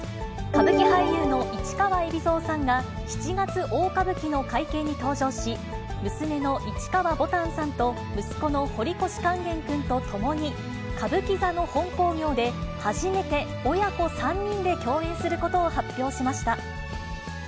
歌舞伎俳優の市川海老蔵さんが、七月大歌舞伎の会見に登場し、娘の市川ぼたんさんと息子の堀越勸玄君と共に、歌舞伎座の本興行で初めて親子３人で共演することを発表しました。